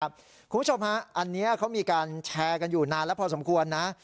คุณผู้ชมฮะอันนี้เขามีการแชร์กันอยู่นานแล้วพอสมควรนะ